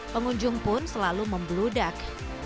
pengunjung pun selalu membludak